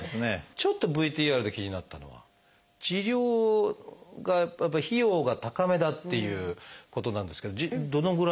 ちょっとＶＴＲで気になったのは治療がやっぱ費用が高めだっていうことなんですけどどのぐらい治療費は？